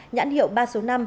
nhãn hiệu ba số năm